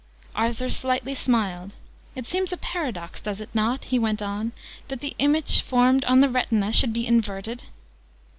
Arthur slightly smiled. "It seems a paradox, does it not," he went on, "that the image formed on the Retina should be inverted?"